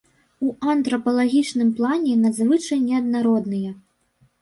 У антрапалагічным плане надзвычай неаднародныя.